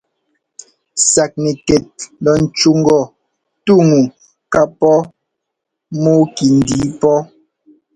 Saknɛkɛt lɔ ńcú ŋgɔ: «tú ŋu ká pɔ́ mɔ́ɔ kɛndǐi pɔ́».